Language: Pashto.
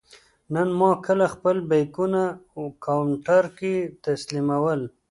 نن ما کله خپل بېکونه کاونټر کې تسلیمول.